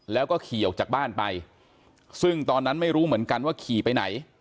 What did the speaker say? แล้วก็ขี่ออกจากบ้านไปซึ่งตอนนั้นไม่รู้เหมือนกันว่าขี่ไปไหน